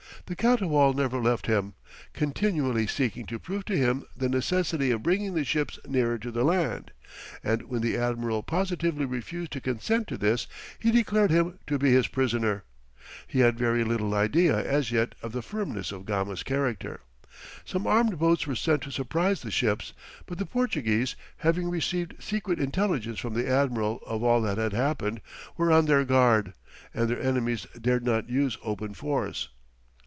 The Catoual never left him, continually seeking to prove to him the necessity of bringing the ships nearer to the land; and when the admiral positively refused to consent to this, he declared him to be his prisoner. He had very little idea as yet of the firmness of Gama's character. Some armed boats were sent to surprise the ships, but the Portuguese, having received secret intelligence from the admiral of all that had happened, were on their guard, and their enemies dared not use open force.